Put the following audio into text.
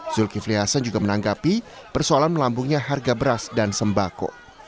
zulkifli hasan juga menanggapi persoalan melambungnya harga beras dan sembako